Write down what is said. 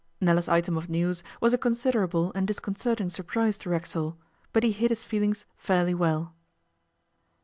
Nella's item of news was a considerable and disconcerting surprise to Racksole, but he hid his feelings fairly well.